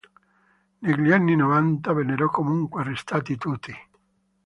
Negli anni Novanta vennero comunque arrestati tutti.